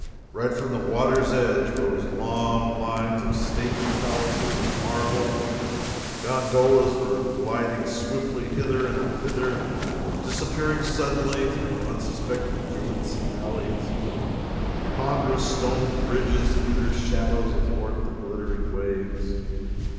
Right from the water's edge rose long lines of stately palaces of marble; gondolas were gliding swiftly hither and thither and disappearing suddenly through unsuspected gates and alleys; ponderous stone bridges threw their shadows athwart the glittering waves.